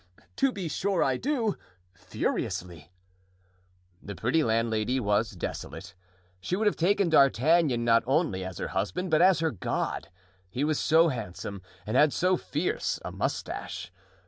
"To be sure I do—furiously!" The pretty landlady was desolate. She would have taken D'Artagnan not only as her husband, but as her God, he was so handsome and had so fierce a mustache.